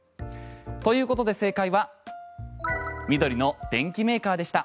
ということで、正解は緑の電機メーカーでした。